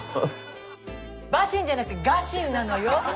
バシンじゃなくてガシンなのよ。